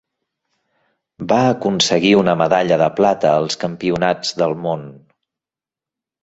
Va aconseguir una medalla de plata als Campionats del món.